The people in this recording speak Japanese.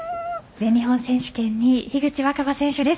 全日本選手権２位、樋口新葉選手です。